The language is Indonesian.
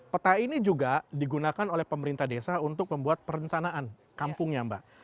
peta ini juga digunakan oleh pemerintah desa untuk membuat perencanaan kampungnya mbak